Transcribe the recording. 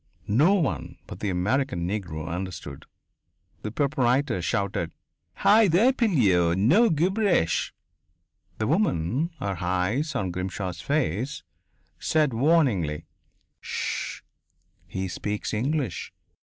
No one but the American Negro understood. The proprietor shouted: "Hi, there, Pilleux no gibberish!" The woman, her eyes on Grimshaw's face, said warningly: "Ssh! He speaks English.